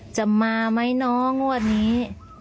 จะมามั้ยน้องวันนี้